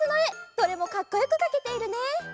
どれもかっこよくかけているね。